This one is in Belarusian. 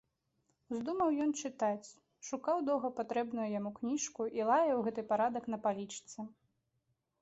Уздумаў ён чытаць, шукаў доўга патрэбную яму кніжку і лаяў гэты парадак на палічцы.